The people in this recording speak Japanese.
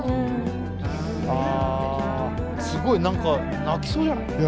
あすごい何か泣きそうじゃない？